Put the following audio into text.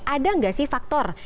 ada nggak sih faktor